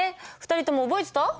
２人とも覚えてた？